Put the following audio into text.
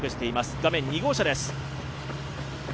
画面、２号車です。